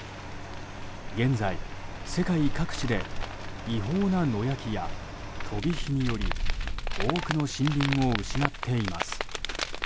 現在、世界各地で違法な野焼きや飛び火により多くの森林を失っています。